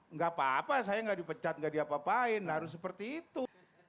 enggak apa apa saya enggak dipecat enggak diapa apain harus seperti itu